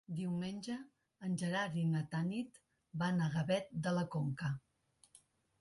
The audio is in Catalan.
Diumenge en Gerard i na Tanit van a Gavet de la Conca.